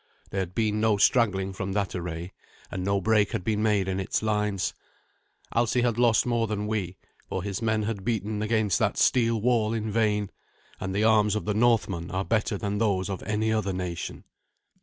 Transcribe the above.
There had been no straggling from that array, and no break had been made in its lines. Alsi had lost more than we, for his men had beaten against that steel wall in vain, and the arms of the Northman are better than those of any other nation.